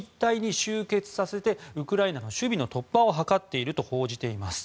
ここ一帯に集結させてウクライナの守備の突破を図っていると報じています。